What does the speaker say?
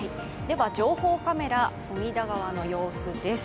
情報カメラ、隅田川の様子です。